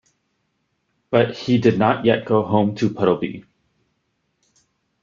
But he did not yet go home to Puddleby.